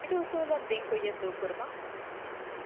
ބިޑު އުސޫލުން ބިން ކުއްޔަށް ދޫކުރުމަށް